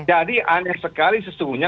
jadi aneh sekali sesungguhnya